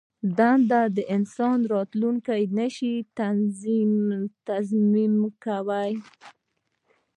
دنده د انسان راتلوونکی نه شي تضمین کولای.